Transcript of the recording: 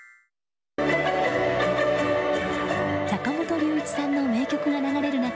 坂本龍一さんの名曲が流れる中